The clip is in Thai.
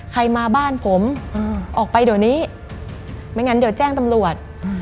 ใครมาบ้านผมออกไปเดี๋ยวนี้ไม่งั้นเดี๋ยวแจ้งตำรวจ